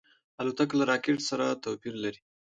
الوتکه له راکټ سره توپیر لري.